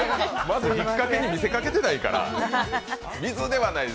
まず引っかけに見せかけてないから。